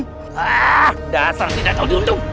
hah dasar tidak tahu diundung